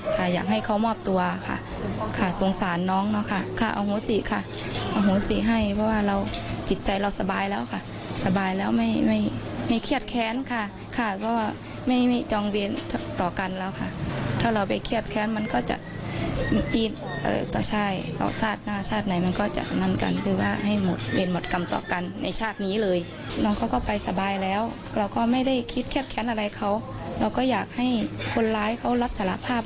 แล้วก็ไม่ได้คิดแคบแค้นอะไรเขาเราก็อยากให้คนร้ายเขารับสารภาพ